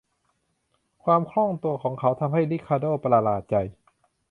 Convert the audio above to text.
ความคล่องตัวของเขาทำให้ริคาโด้ประหลาดใจ